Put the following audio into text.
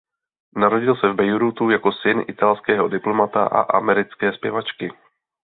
Narodil se v Bejrútu jako syn italského diplomata a americké zpěvačky.